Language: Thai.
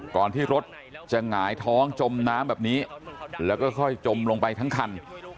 ก่อนที่รถจะหงายท้องจมน้ำแบบนี้แล้วก็ค่อยจมลงไปทั้งคัน